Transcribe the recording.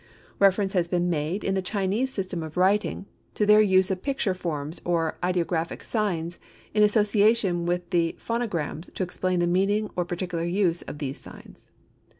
Reference has been made in the Chinese system of writing to their use of picture forms or ideographic signs, in association with the phonograms to explain the meaning or particular use of these signs.